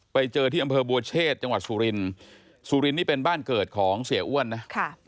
ไปเจอที่อำเภอบัวเชษจังหวัดสุรินสุรินนี่เป็นบ้านเกิดของเสียอ้วนนะค่ะ